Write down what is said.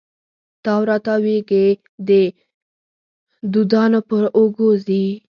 تاو را تاویږې د دودانو پر اوږو ځي